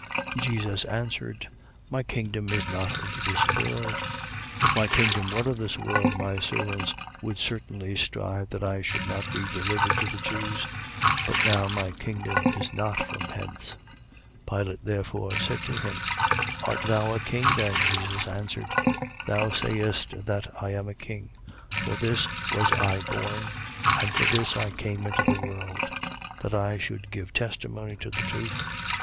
18:36. Jesus answered: My kingdom is not of this world. If my kingdom were of this world, my servants would certainly strive that I should not be delivered to the Jews: but now my kingdom is not from hence. 18:37. Pilate therefore said to him: Art thou a king then? Jesus answered: Thou sayest that I am a king. For this was I born, and for this came I into the world; that I should give testimony to the truth.